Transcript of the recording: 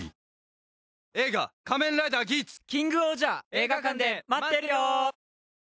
映画館で待ってるよ！